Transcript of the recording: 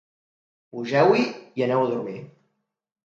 Pugeu-hi i aneu a dormir.